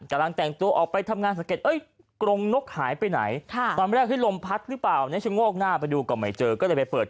กำลังแต่งตัวออกไปทำงานสังเกต